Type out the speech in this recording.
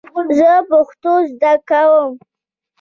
زه پښتو زده کوم